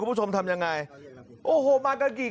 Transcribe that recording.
ผมเนี่ยนะก่อนเล่าข่าวนี้